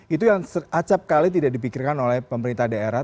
itu yang seacap kali tidak dipikirkan oleh pemerintah daerah